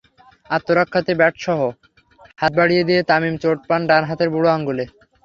আত্মরক্ষার্থে ব্যাটসহ হাত বাড়িয়ে দিয়ে তামিম চোট পান ডান হাতের বুড়ো আঙুলে।